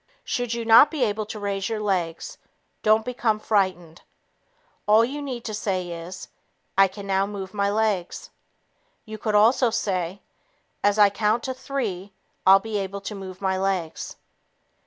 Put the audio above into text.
Should you not be able to raise your legs, don't become frightened. All you need to say is: "I can now move my legs." You could also say: "As I count to three, I'll be able to move my legs."